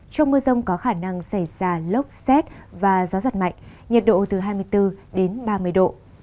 trong mưa rông có khả năng xảy ra lốc xét và gió giật mạnh nhiệt độ từ hai mươi bốn đến ba mươi độ